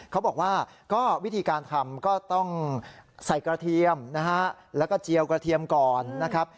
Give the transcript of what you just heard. เขาบอกว่าก็วิธีการทำก็ต้องใส่กระเทียมนะฮะแล้วก็เจียวกระเทียมก่อนนะครับ